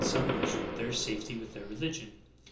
e measure, their safety with their religion."